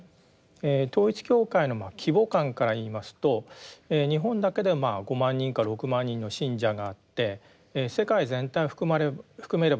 統一教会の規模感から言いますと日本だけで５万人か６万人の信者があって世界全体を含めればですね